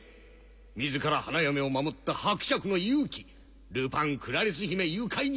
「自ら花嫁を守った伯爵の勇気ルパンクラリス姫誘拐に失敗」。